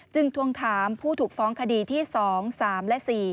ทวงถามผู้ถูกฟ้องคดีที่๒๓และ๔